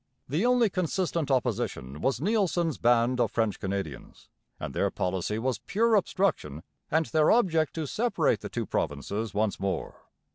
The only consistent opposition was Neilson's band of French Canadians, and their policy was pure obstruction and their object to separate the two provinces once more.